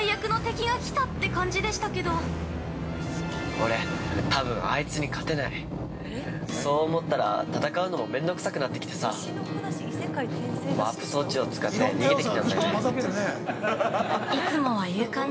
俺、たぶんあいつに勝てないそう思ったら、戦うのもめんどくさくなってきてさワープ装置を使って逃げてきたんだよね。